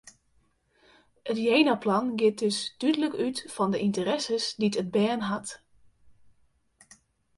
It jenaplan giet dus dúdlik út fan de ynteresses dy't it bern hat.